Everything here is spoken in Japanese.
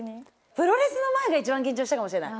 プロレスの前が一番緊張したかもしれない。